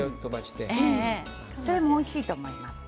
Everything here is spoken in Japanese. それもおいしいと思います。